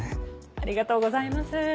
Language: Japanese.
ありがとうございます。